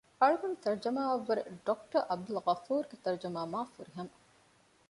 އަޅުގަނޑުގެ ތަރުޖަމާއަށްވުރެ ޑޮކްޓަރ ޢަބްދުލްޣަފޫރުގެ ތަރުޖަމާ މާ ފުރިހަމަ